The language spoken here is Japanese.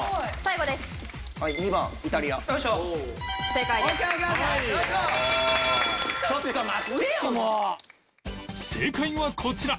正解はこちら